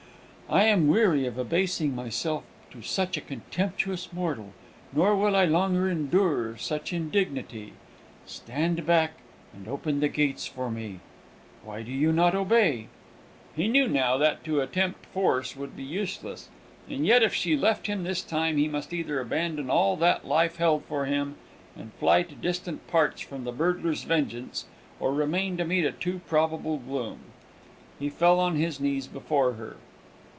I am weary of abasing myself to such a contemptuous mortal, nor will I longer endure such indignity. Stand back, and open the gates for me! Why do you not obey?" He knew now that to attempt force would be useless; and yet if she left him this time, he must either abandon all that life held for him, and fly to distant parts from the burglars' vengeance or remain to meet a too probable doom! He fell on his knees before her.